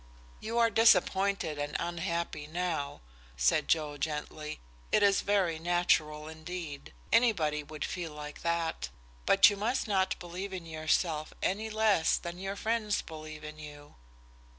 "You are disappointed and unhappy now," said Joe, gently. "It is very natural indeed. Anybody would feel like that. But you must not believe in yourself any less than your friends believe in you."